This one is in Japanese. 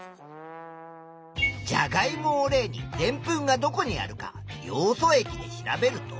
じゃがいもを例にでんぷんがどこにあるかヨウ素液で調べると。